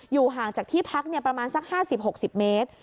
ห่างจากที่พักประมาณสัก๕๐๖๐เมตร